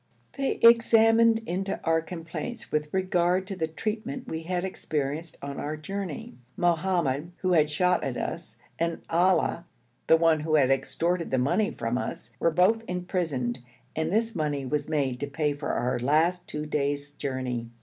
They examined into our complaints with regard to the treatment we had experienced on our journey. Mohammad, who had shot at us, and Ali, the one who had extorted the money from us, were both imprisoned, and this money was made to pay for our last two days' journey.